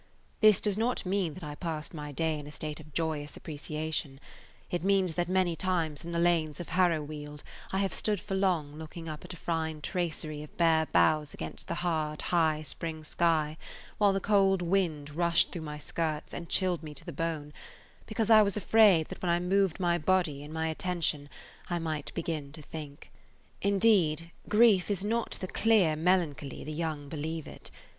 This does not mean that I passed my day in a state of joyous appreciation; it means that many times in the lanes of Harrowweald I have stood for long looking up at a fine tracery of bare boughs against the hard, high spring sky while the cold wind rushed through my skirts and chilled me to the bone, because I was afraid that when I moved my body and my attention I might begin to think. Indeed, grief is not the clear melancholy the young believe it.